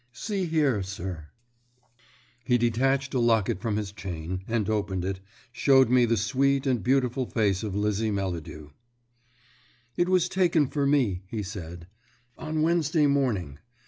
"See here, sir." He detached a locket from his chain, and opening it, showed me the sweet and beautiful face of Lizzie Melladew. "It was taken for me," he said, "on Wednesday morning.